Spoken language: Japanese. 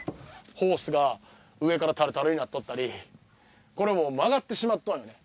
ホースが上からたるたるになっとったりこれもう曲がってしまっとんよね。